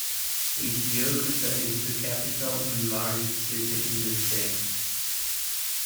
Abeokuta is the capital and largest city in the state.